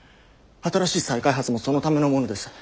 新しい再開発もそのためのものです。